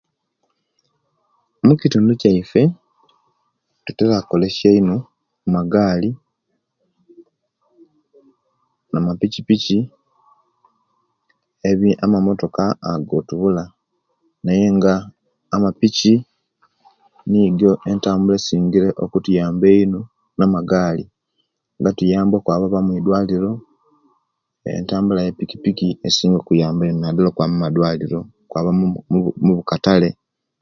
Mukitundu kyaife tutera okolesya eino magali na mapikipiki ebi amamotoka ago tubula naye nga amapiki nigo entambula esingire okutuyamba eino namagali gatiyamba okwaba oba mwidwaliro entambula ye pikipiki esobola okutuyamba ino twaba omadwaliro nomubukatale